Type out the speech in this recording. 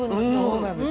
そうなんです。